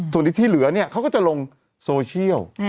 ส่วนที่เหลือเนี่ยเขาก็จะลงโซเชียล